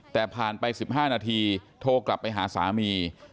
แต่ผ่านไป๑๕นาทีโทรกลับไปหาสามี